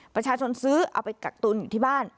ประชาชนซื้อเอาไปกักตุนอยู่ที่บ้าน